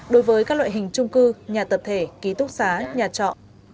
đối với các loại hình trung cư nhà tập thể ký túc xá nhà trọ